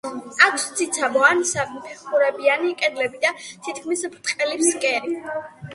აქვს ციცაბო ან საფეხურებიანი კედლები და თითქმის ბრტყელი ფსკერი.